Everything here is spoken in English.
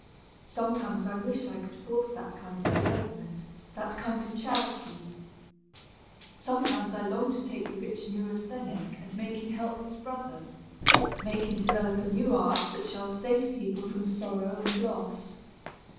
Sometimes I wish I could force that kind of development, that kind of charity. Sometimes I long to take the rich neurasthenic and make him help his brother, make him develop a new art that shall save people from sorrow and loss.